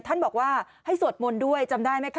ท่านบอกว่าให้สวดมนต์ด้วยจำได้ไหมคะ